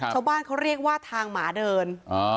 ชาวบ้านเขาเรียกว่าทางหมาเดิน